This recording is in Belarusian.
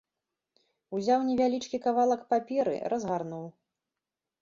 Узяў невялічкі кавалак паперы, разгарнуў.